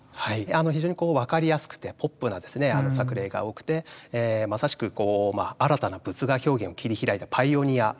非常に分かりやすくてポップな作例が多くてまさしく新たな仏画表現を切り開いたパイオニアと言ってもいいかと思います。